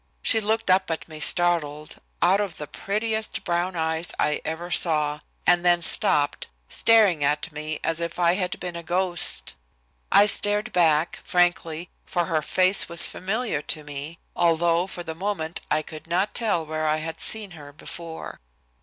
She looked up at me startled, out of the prettiest brown eyes I ever saw, and then stopped, staring at me as if I had been a ghost. I stared back, frankly, for her face was familiar to me, although for the moment I could not tell where I had seen her before.